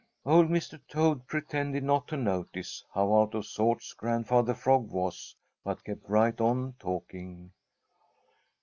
Old Mr. Toad pretended not to notice how out of sorts Grandfather Frog was but kept right on talking.